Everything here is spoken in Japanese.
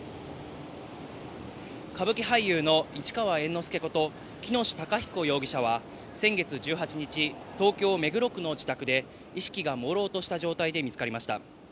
歌舞伎俳優の市川猿之助こと喜熨斗孝彦容疑者は先月１８日、東京・目黒区の自宅で意識がもうろうとした状態で見つかりました。